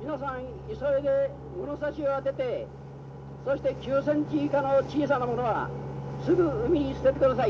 皆さん急いで物差しを当ててそして９センチ以下の小さなものはすぐ海に捨ててください。